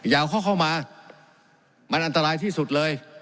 เอาเขาเข้ามามันอันตรายที่สุดเลย